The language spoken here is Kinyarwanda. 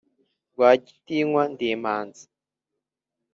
Rwagitinywa ndi Imanzi,